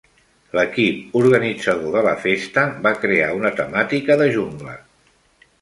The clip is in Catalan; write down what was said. L'equip organitzador de la festa va crear una temàtica de "jungla".